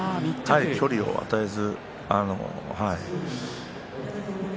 距離を与えず。